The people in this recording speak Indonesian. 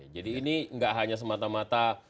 jadi ini gak hanya semata mata